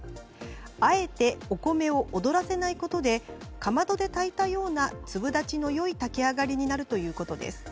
あえてお米をおどらせないことでかまどで炊いたような粒立ちの良い炊き上がりになるということです。